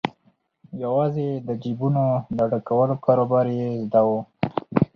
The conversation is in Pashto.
یوازې د جیبونو د ډکولو کاروبار یې زده وو.